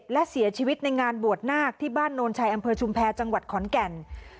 และเสียชีวิตในงานบวชนาคที่บ้านโนนชัยอำเภอชุมแพรจังหวัดขอนแก่น